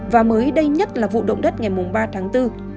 và mới đây nhất là vụ động đất ngày ba tháng bốn